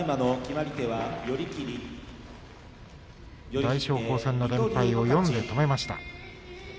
大翔鵬戦の連敗を４で止めました。